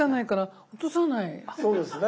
そうですね。